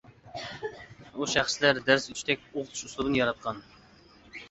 ئۇ شەخسلەر دەرس ئۆتۈشتەك ئوقۇتۇش ئۇسلۇبىنى ياراتقان.